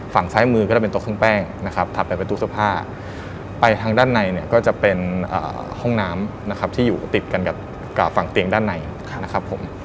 ฝั่งซ้ายมือก็จะเป็นโต๊ะเครื่องแป้งนะครับถัดไปเป็นตู้เสื้อผ้าไปทางด้านในเนี่ยก็จะเป็นห้องน้ำนะครับที่อยู่ติดกันกับฝั่งเตียงด้านในนะครับผม